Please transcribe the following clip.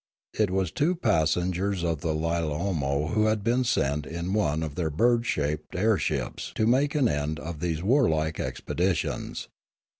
It was two messengers of the Lilamo who had been sent in one of their bird shaped air ships to make an end of these warlike expeditions.